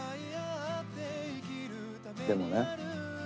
でもね